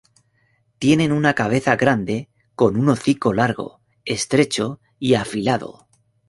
Tienen una cabeza grande con un hocico largo, estrecho y afilado.